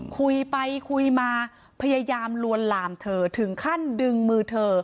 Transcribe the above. คุยไปคุยมาพยายามลวนลามเธอถึงขั้นดึงมือเธอ